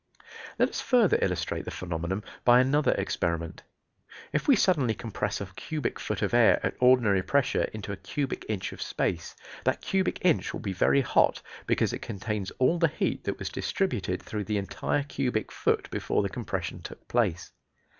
Let us further illustrate the phenomenon by another experiment. If we suddenly compress a cubic foot of air at ordinary pressure into a cubic inch of space, that cubic inch will be very hot because it contains all the heat that was distributed through the entire cubic foot before the compression took place.